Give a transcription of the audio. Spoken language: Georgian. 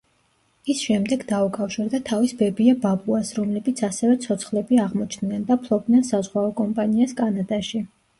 ის შემდეგ დაუკავშირდა თავის ბებია–ბაბუას, რომლებიც ასევე ცოცხლები აღმოჩნდნენ და ფლობდნენ საზღვაო კომპანიას კანადაში.